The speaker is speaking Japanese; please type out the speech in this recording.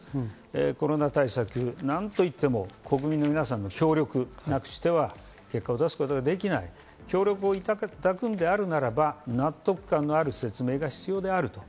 コロナ対策、なんといっても国民の皆さんの協力なくしては、結果を出すことはできない、協力をいただくのであれば、納得感のある説明が必要である。